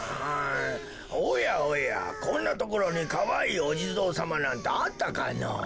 おやおやこんなところにかわいいおじぞうさまなんてあったかのぉ。